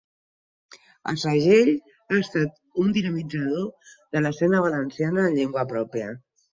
El segell ha estat un dinamitzador de l'escena valenciana en llengua pròpia.